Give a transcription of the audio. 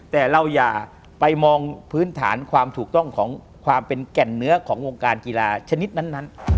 แต่เราอย่าไปมองพื้นฐานความถูกต้องของความเป็นแก่นเนื้อของวงการกีฬาชนิดนั้น